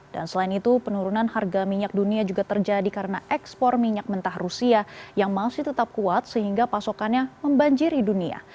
dan selain itu penurunan harga minyak dunia juga terjadi karena ekspor minyak mentah rusia yang masih tetap kuat sehingga pasokannya membanjiri dunia